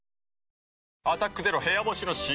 新「アタックＺＥＲＯ部屋干し」解禁‼